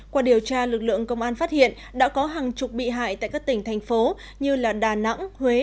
qua điều tra lực lượng công an phát hiện đã có hàng chục bị hại tại các tỉnh thành phố như đà nẵng huế